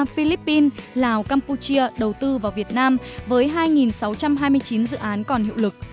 philippines lào campuchia đầu tư vào việt nam với hai sáu trăm hai mươi chín dự án còn hiệu lực